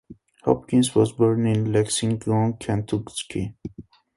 Hopkins was born in Lexington, Kentucky.